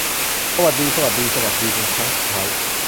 สวัสดี สวัสดี สวัสดีเป็นครั้งสุดท้าย